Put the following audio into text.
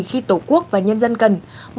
khi tổ quốc và nhân dân cần